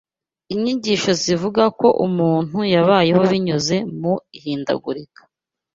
inyigisho zivuga ko umuntu yabayeho binyuze mu ihindagurika